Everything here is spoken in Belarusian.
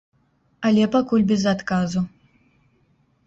Але пакуль без адказу.